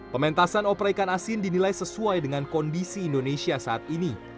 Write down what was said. pementasan opera ikan asin dinilai sesuai dengan kondisi indonesia saat ini